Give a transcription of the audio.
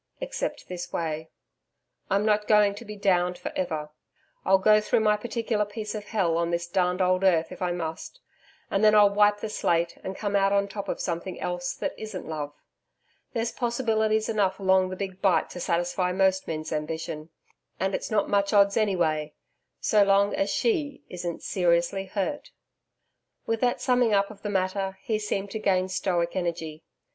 Except this way I'm not going to be DOWNED for ever. I'll go through my particular piece of hell, on this darned old earth if I must, and then I'll wipe the slate and come out on top of something else that isn't love. There's possibilities enough along the Big Bight to satisfy most men's ambition. And it's not much odds any way, so long as SHE isn't seriously hurt.' With that summing up of the matter, he seemed to gain stoic energy.